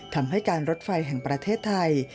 ทำให้การรถไฟแห่งประเทศไทย